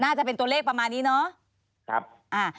น่าจะเป็นตัวเลขประมาณนี้เนาะ